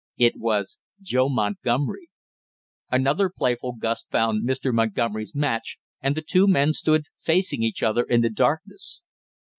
It was Joe Montgomery. Another playful gust found Mr. Montgomery's match and the two men stood facing each other in the darkness.